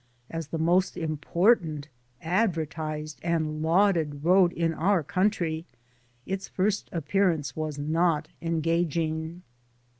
As the most important, adver tised and lauded road in our country, its first ap pearance was not engaging.